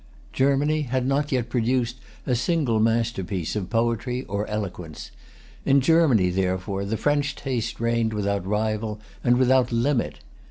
Germany had not yet produced a single masterpiece of poetry or eloquence. In Germany, therefore, the French taste reigned without rival and without limit.